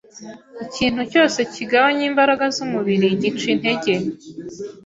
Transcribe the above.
Ikintu cyose kigabanya imbaraga z’umubiri gica intege